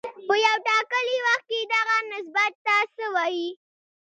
په یو ټاکلي وخت کې دغه نسبت ته څه وايي